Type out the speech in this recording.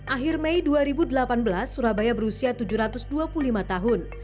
akhir mei dua ribu delapan belas surabaya berusia tujuh ratus dua puluh lima tahun